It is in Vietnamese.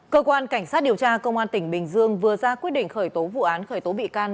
cơ quan cảnh sát điều tra công an tỉnh bình dương vừa ra quyết định khởi tố vụ án khởi tố bị can